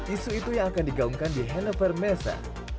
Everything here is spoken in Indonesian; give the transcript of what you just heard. isu itu yang akan digaungkan di hannover messa